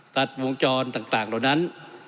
ตัดวงจรต่างตรงนั้น